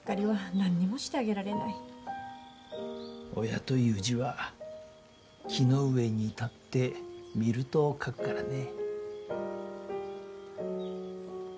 「親」という字は木の上に立って見ると書くからね。